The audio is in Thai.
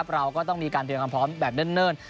เราก็ต้องมีการเตรียมความพร้อมแบบเนิ่น